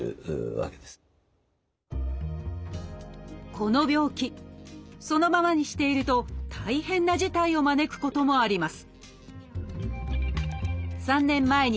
この病気そのままにしていると大変な事態を招くこともあります。